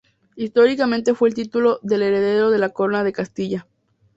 Históricamente fue el título del heredero de la Corona de Castilla.